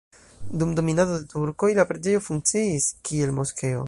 Dum dominado de turkoj la preĝejo funkciis, kiel moskeo.